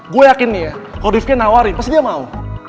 gue yakin nih ya kalau rifka nawarin pasti dia mau